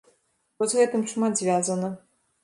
Бо з гэтым шмат звязана.